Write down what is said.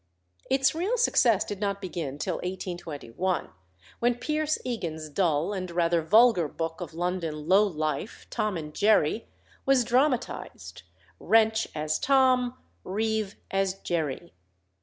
Its real success did not begin till 1821, when Pierce Egan's dull and rather vulgar book of London low life, Tom and Jerry, was dramatised Wrench as Tom, Reeve as Jerry.